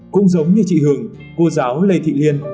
cũng giống như chị hường cô giáo lê thị liên